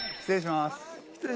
失礼します。